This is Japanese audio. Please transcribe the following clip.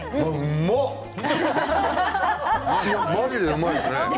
まじでうまいですね。